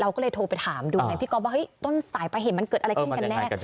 ก็เลยโทรไปถามดูไงพี่ก๊อฟว่าเฮ้ยต้นสายไปเห็นมันเกิดอะไรขึ้นกันแน่